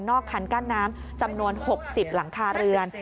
คันกั้นน้ำจำนวน๖๐หลังคาเรือน